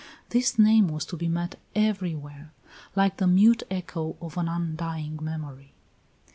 This name was to be met everywhere, like the mute echo of an undying memory.